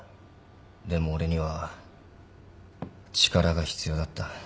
でも俺には力が必要だった。